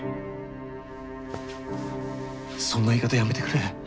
そんな言い方やめてくれ。